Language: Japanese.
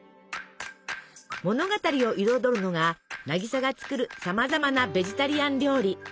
物語を彩るのが渚が作るさまざまなベジタリアン料理。